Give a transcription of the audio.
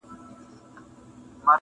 پروفیسر ډاکټر اباسین یوسفزی